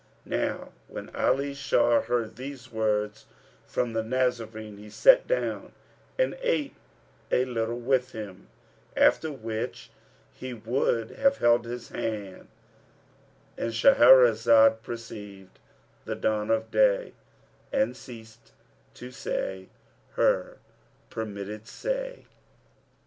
Now when Ali Shar heard these words from the Nazarene, he sat down and ate a little with him, after which he would have held his hand;—And Shahrazad perceived the dawn of day and ceased to say her permitted say.